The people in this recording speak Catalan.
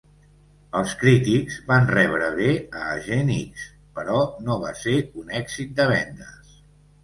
Els crítics van rebre bé a "Agent X", però no va ser un èxit de vendes.